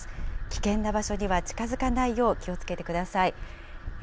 危険な場所には近づかないよう気をつけてください。